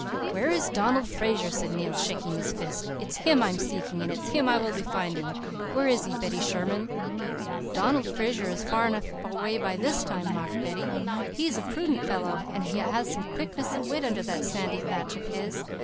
"'Where is Donald Fraser?' said Neil, shaking his fist. 'It's him I'm seeking, and it's him I will be finding. Where is he, Betty Sherman?' "'Donald Fraser is far enough away by this time,' mocked Betty. 'He is a prudent fellow, and has some quickness of wit under that sandy thatch of his.